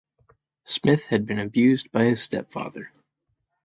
Smith had been abused by his stepfather.